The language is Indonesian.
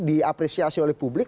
diapresiasi oleh publik